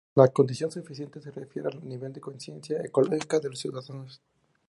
La condición suficiente se refiere al nivel de conciencia ecológica de los ciudadanos.